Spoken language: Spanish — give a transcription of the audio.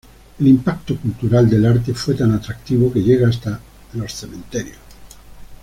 El impacto cultural del arte fue tan atractivo que llega hasta en los cementerios.